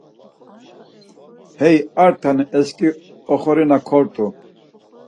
Hey ar tane esǩi oxorina kort̆u.